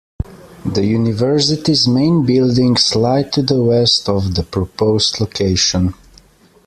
The university's main buildings lie to the west of the proposed location.